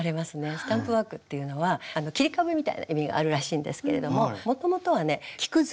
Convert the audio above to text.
スタンプワークっていうのは切り株みたいな意味があるらしいんですけれどももともとはね木くず？